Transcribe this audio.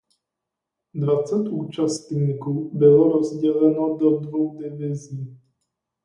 Dvacet účastníků bylo rozděleno do dvou divizí.